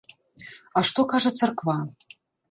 А што кажа царква?